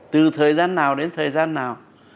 từ thời gian nào đến thời gian nào